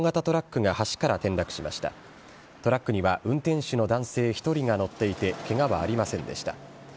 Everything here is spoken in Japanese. トラックには、運転手の男性１人が乗っていて、けがはありませんでした。